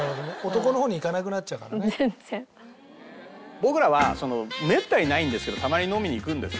僕らはめったにないんですけどたまに飲みに行くんですよ